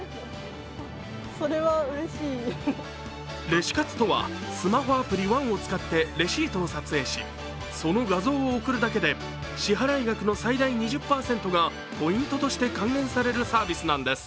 レシ活とは、スマホアプリＯＮＥを使ってレシートを撮影しその画像を送るだけで支払額の最大２０％がポイントとして還元されるサービスなんです。